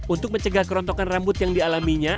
untuk mencegah kerontokan rambut yang dialaminya